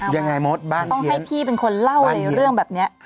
ต้องให้พี่เป็นคนเล่าเลยเรื่องแบบนี้